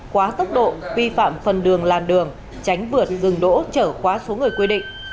quá tốc độ vi phạm phần đường làn đường tránh vượt gừng đỗ trở khóa số người quy định